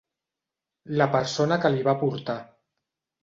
La persona que li va portar.